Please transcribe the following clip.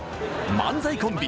漫才コンビ